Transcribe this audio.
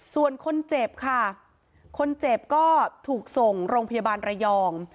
ส่วนคนเจ็บค่ะคนเจ็บก็ถูกส่งโรงพยาบาลระยอง